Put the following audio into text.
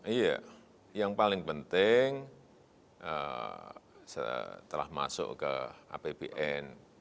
iya yang paling penting setelah masuk ke apbn